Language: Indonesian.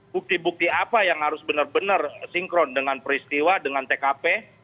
bukti bukti apa yang harus benar benar sinkron dengan peristiwa dengan tkp